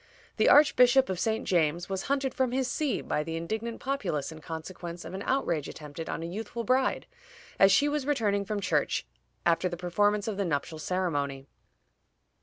The Archbishop of St. James was hunted from his see by the indignant populace in consequence of an outrage attempted on a youthful bride as she was returning from church after the performance of the nuptial ceremony.